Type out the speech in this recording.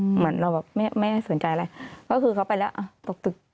เหมือนเราก็ไม่สนใจอะไรก็คือเขาไปแล้วเอาตกตึก